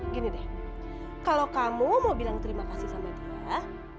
gini deh kalau kamu mau bilang terima kasih sama dia